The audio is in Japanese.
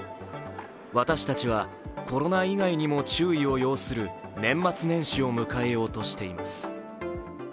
私たちはコロナ以外にも注意を要する年末年始を迎えようとしています。